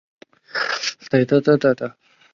勒夫雷斯恩波雷。